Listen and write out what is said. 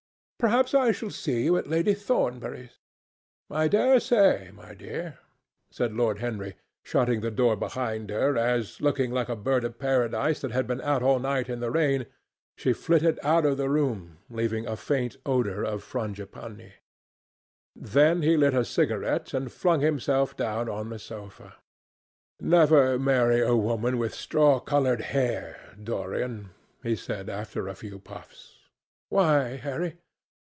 Perhaps I shall see you at Lady Thornbury's." "I dare say, my dear," said Lord Henry, shutting the door behind her as, looking like a bird of paradise that had been out all night in the rain, she flitted out of the room, leaving a faint odour of frangipanni. Then he lit a cigarette and flung himself down on the sofa. "Never marry a woman with straw coloured hair, Dorian," he said after a few puffs. "Why, Harry?"